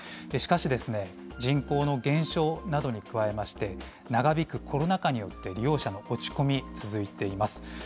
しかし、人口の減少などに加えまして、長引くコロナ禍によって、利用者の落ち込み、続いています。